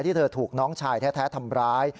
ที่เธอถูกน้องชายแท้ทำร้าย